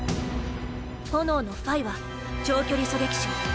炎のファイは長距離狙撃手。